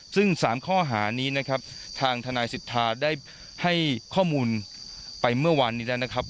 ซึ่ง๓ข้อหานี้นะครับทางทนายสิทธาได้ให้ข้อมูลไปเมื่อวานนี้แล้วนะครับ